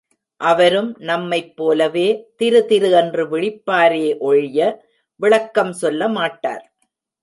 அவரும் நம்மைப் போலவே திரு திரு என்று விழிப்பாரே ஒழிய விளக்கம் சொல்ல மாட்டார்.